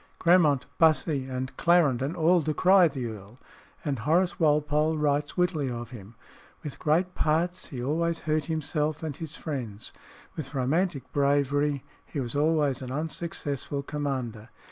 Grammont, Bussy, and Clarendon all decry the earl; and Horace Walpole writes wittily of him "With great parts, he always hurt himself and his friends; with romantic bravery, he was always an unsuccessful commander.